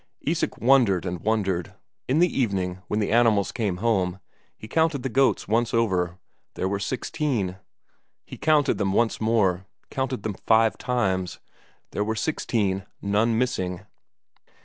Isak wondered and wondered. In the evening when the animals came home, he counted the goats once over there were sixteen. He counted them once more, counted them five times. There were sixteen. None missing.